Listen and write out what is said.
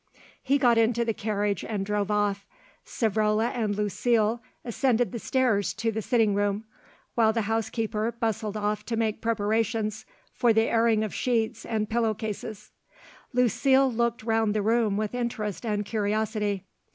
He got into the carriage and drove off. Savrola and Lucile ascended the stairs to the sitting room, while the housekeeper bustled off to make preparations for the airing of sheets and pillow cases. Lucile looked round the room with interest and curiosity.